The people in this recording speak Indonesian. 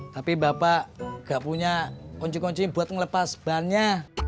tapi bapak gak punya kunci kunci buat ngelepas bannya